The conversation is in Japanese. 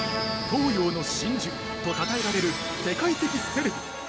◆東洋の真珠とたたえられる世界的セレブ。